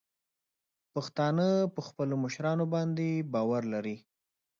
پښتانه په خپلو مشرانو باندې باور لري.